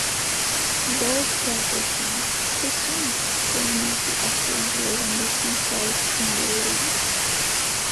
Bob does return, too soon, claiming he accidentally wounded himself in the leg.